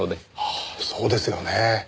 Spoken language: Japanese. ああそうですよね。